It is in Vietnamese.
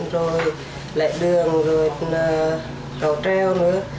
rồi lại đường rồi cầu treo nữa